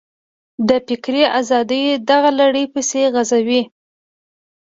د فکري ازادیو دغه لړۍ پسې غځوو.